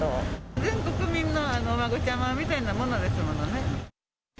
全国民のお孫ちゃまみたいなものですもんね。